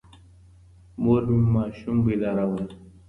مور مي ماشوم بېداوه.